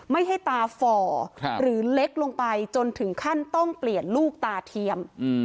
ไม่ให้ตาฝ่อหรือเล็กลงไปจนถึงขั้นต้องเปลี่ยนลูกตาเทียม